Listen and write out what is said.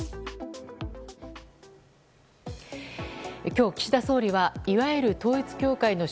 今日、岸田総理はいわゆる統一教会の